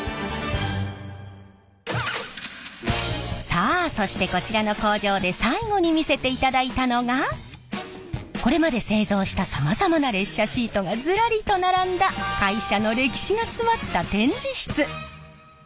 さあそしてこちらの工場で最後に見せていただいたのがこれまで製造したさまざまな列車シートがずらりと並んだ会社の歴史が詰まった展示室。